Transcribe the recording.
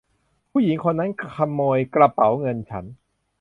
ผู้หญิงคนนั้นขโมยกระเป๋าเงินฉัน !